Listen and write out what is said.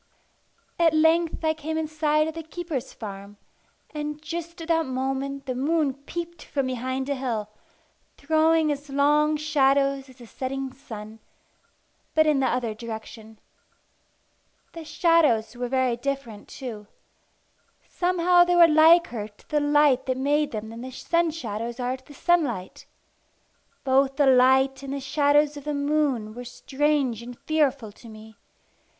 At length I came in sight of the keeper's farm; and just at that moment the moon peeped from behind a hill, throwing as long shadows as the setting sun, but in the other direction. The shadows were very different too. Somehow they were liker to the light that made them than the sun shadows are to the sunlight. Both the light and the shadows of the moon were strange and fearful to me.